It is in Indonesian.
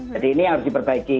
jadi ini harus diperbaiki